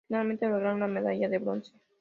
Finalmente lograron la medalla de bronce.